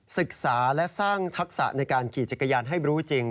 ศึกษาและสร้างทักษะในการขี่จักรยานให้รู้จริง